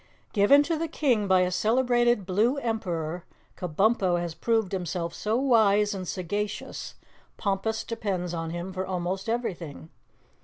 Given to the King by a celebrated Blue Emperor, Kabumpo has proved himself so wise and sagacious, Pompus depends on him for almost everything.